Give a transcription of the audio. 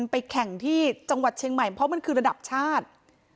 ไปแข่งที่จังหวัดเชียงใหม่เพราะมันคือระดับชาติ